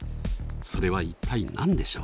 それは一体何でしょう？